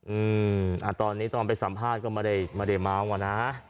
อือตอนนี้ตอนไปสัมภาษณ์ก็ไม่ได้เมาว์นะฮะ